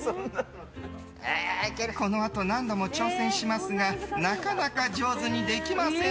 このあと何度も挑戦しますがなかなか上手にできません。